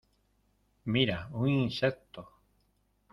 Mira un insecto